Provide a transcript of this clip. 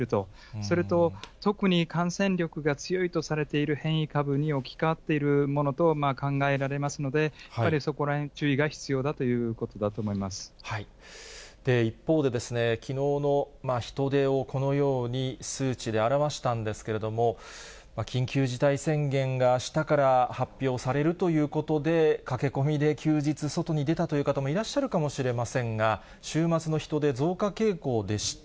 それと特に感染力が強いとされている変異株に置き換わっているものと考えられますので、やっぱりそこらへん、注意が必要だという一方でですね、きのうの人出をこのように数値で表したんですけれども、緊急事態宣言があしたから発表されるということで、駆け込みで休日、外に出たという方もいらっしゃるかもしれませんが、週末の人出、増加傾向でした。